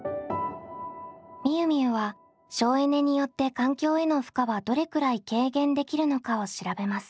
みゆみゆは省エネによって環境への負荷はどれくらい軽減できるのかを調べます。